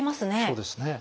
そうですね。